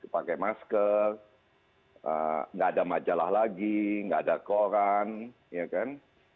pakai masker nggak ada majalah lagi nggak ada koran ya kan